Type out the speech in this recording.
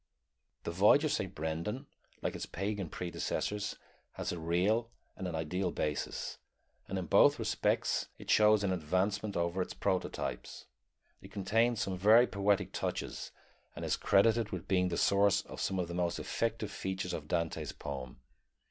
The Voyage of Saint Brendan, like its pagan predecessors, has a real and an ideal basis; and in both respects it shows an advancement over its prototypes. It contains some very poetic touches, and is credited with being the source of some of the most effective features of Dante's poem.